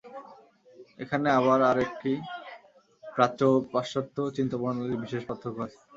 এখানে আবার আর একটি বিষয়ে প্রাচ্য ও পাশ্চাত্য চিন্তাপ্রণালীর বিশেষ পার্থক্য আছে।